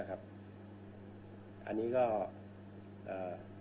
นะครับอันนี้ก็เอ่อ